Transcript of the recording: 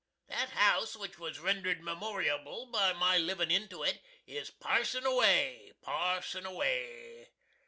That house, which was rendered memoriable by my livin' into it, is "parsin' away! parsin' away!"